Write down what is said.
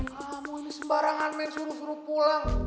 kamu ini sembarangan main suruh suruh pulang